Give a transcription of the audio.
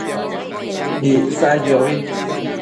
Icsaquiobi